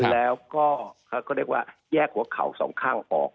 แล้วก็แยกหัวเข่าสองข้างออก